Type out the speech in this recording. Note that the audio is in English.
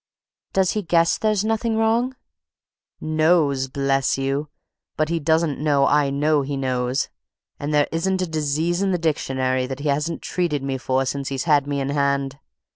"Does he guess there's nothing wrong?" "Knows, bless you! But he doesn't know I know he knows, and there isn't a disease in the dictionary that he hasn't treated me for since he's had me in hand.